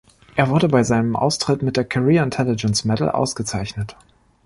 Er wurde bei seinem Austritt mit der Career Intelligence Medal ausgezeichnet.